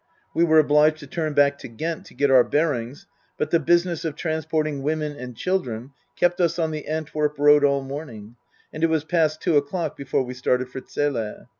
We were obliged to turn back to Ghent to get our bearings, but the business of transporting women and children kept us on the Antwerp road all morning, and it was past two o'clock before we started for Zele.